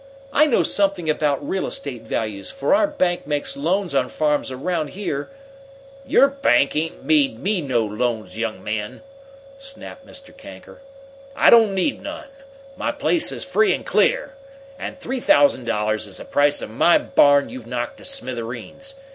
I know something about real estate values, for our bank makes loans on farms around here " "Your bank ain't made me no loans, young man!" snapped Mr. Kanker. "I don't need none. My place is free and clear! And three thousand dollars is the price of my barn you've knocked to smithereens.